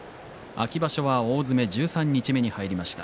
秋場所は大詰め十三日目に入りました。